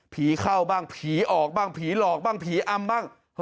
เข้าบ้างผีออกบ้างผีหลอกบ้างผีอำบ้าง